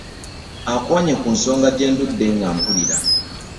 Okoonye ku nsonga gye ndudde nga mpulira.